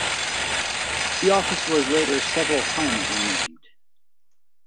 The office was later several times renamed.